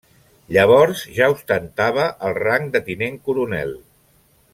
Llavors ja ostentava el rang de Tinent coronel.